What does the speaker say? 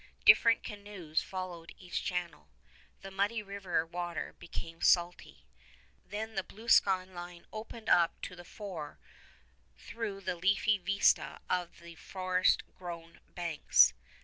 Different canoes followed each channel. The muddy river water became salty. Then the blue sky line opened to the fore through the leafy vista of the forest grown banks.